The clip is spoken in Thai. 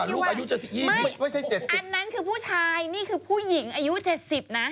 อันนั้นคินผู้ชายนี่คือผู้หญิงอายุ๗๐นะ